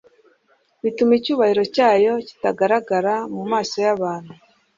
bituma icyubahiro cyayo kitagaragara mu maso y'abantu.